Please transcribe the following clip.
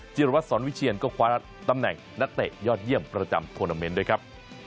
รวัตสอนวิเชียนก็คว้าตำแหน่งนักเตะยอดเยี่ยมประจำทวนาเมนต์ด้วยครับ